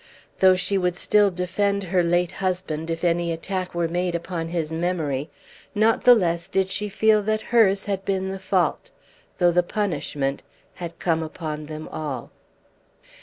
Though she would still defend her late husband if any attack were made upon his memory, not the less did she feel that hers had been the fault, though the punishment had come upon them all.